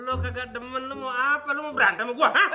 lo nggak demen lo mau apa lo mau berantem sama gue hah